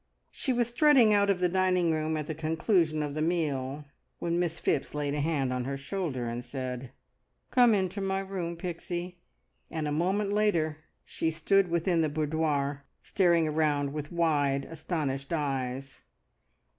She was strutting out of the dining room at the conclusion of the meal, when Miss Phipps laid a hand on her shoulder and said, "Come into my room, Pixie," and a moment later she stood within the boudoir, staring around with wide, astonished eyes.